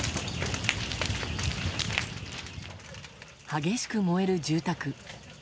激しく燃える住宅。